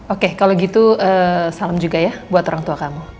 oke kalau gitu salam juga ya buat orang tua kamu